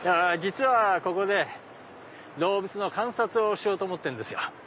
実はここで動物の観察をしようと思ってるんですよ。